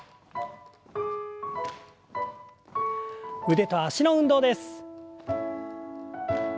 腕と脚の運動です。